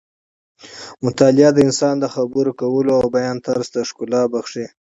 مطالعه د انسان د خبرو کولو او بیان طرز ته ښکلا بښي.